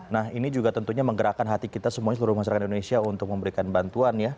nah ini juga tentunya menggerakkan hati kita semuanya seluruh masyarakat indonesia untuk memberikan bantuan ya